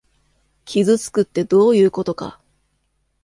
傷付くってどういうことか！